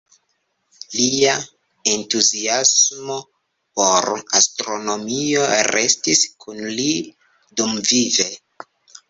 Lia entuziasmo por astronomio restis kun li dumvive.